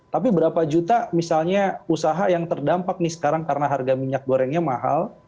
tapi berapa juta misalnya usaha yang terdampak nih sekarang karena harga minyak gorengnya mahal